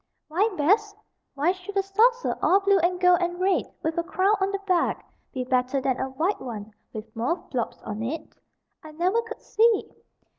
Why "best"? Why should a saucer, all blue and gold and red, with a crown on the back, be better than a white one with mauve blobs on it? I never could see.